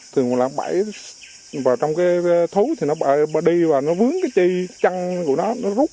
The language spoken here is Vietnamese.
thường là bẫy vào trong cái thú thì nó đi vào nó vướng cái chân của nó